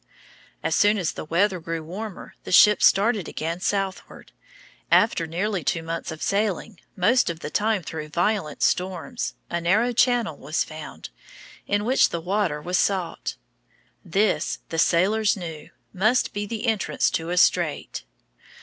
As soon as the weather grew warmer the ships started again southward. After nearly two months of sailing, most of the time through violent storms, a narrow channel was found, in which the water was salt. This the sailors knew must be the entrance to a strait.